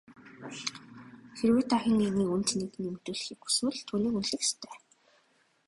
Хэрвээ та хэн нэгэн хүний үнэ цэнийг нэмэгдүүлэхийг хүсвэл түүнийг үнэлэх ёстой.